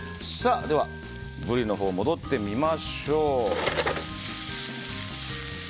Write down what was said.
では、ブリのほうに戻ってみましょう。